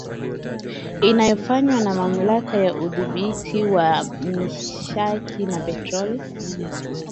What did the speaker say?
inayofanywa na Mamlaka ya Udhibiti wa Nishati na Petroli